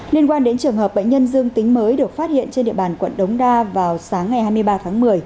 liên quan đến trường hợp bệnh nhân dương tính mới được phát hiện trên địa bàn quận đống đa vào sáng ngày hai mươi ba tháng một mươi